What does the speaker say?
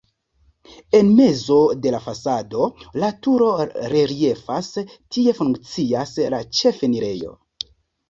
En mezo de la fasado la turo reliefas, tie funkcias la ĉefenirejo.